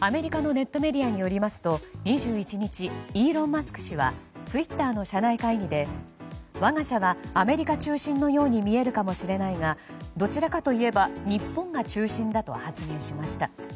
アメリカのネットメディアによりますと２１日イーロン・マスク氏はツイッターの社内会議で我が社はアメリカ中心のように見えるかもしれないがどちらかといえば日本が中心だと発言しました。